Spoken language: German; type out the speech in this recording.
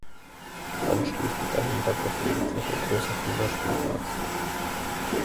Anschließend dahinter befindet sich ein großer Kinderspielplatz.